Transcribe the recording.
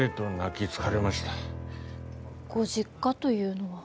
ご実家というのは。